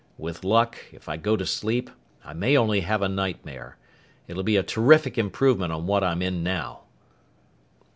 With luck, if I go to sleep, I may only have a nightmare. It'll be a terrific improvement on what I'm in now!"